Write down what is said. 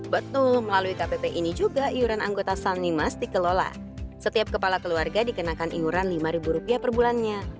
betul melalui kpp ini juga iuran anggota sanimas dikelola setiap kepala keluarga dikenakan iuran rp lima per bulannya